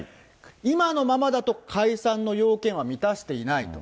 今のままだと解散の要件は満たしていないと。